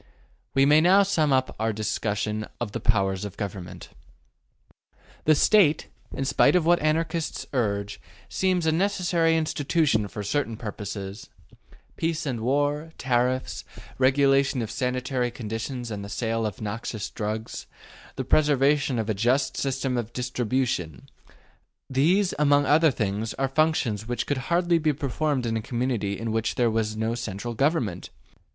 We may now sum up our discussion of the powers of Government. The State, in spite of what Anarchists urge, seems a necessary institution for certain purposes. Peace and war, tariffs, regulation of sanitary conditions and of the sale of noxious drugs, the preservation of a just system of distribution: these, among others, are functions which could hardly be performed in a community in which there was no central government.